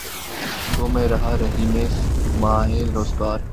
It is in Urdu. گو میں رہا رہینِ ستمہائے روزگار